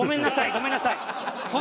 ごめんなさい。